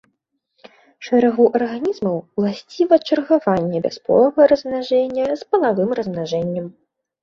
Шэрагу арганізмаў уласціва чаргаванне бясполага размнажэння з палавым размнажэннем.